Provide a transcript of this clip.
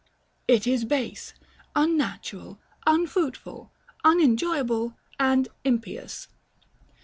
It is base, unnatural, unfruitful, unenjoyable, and impious.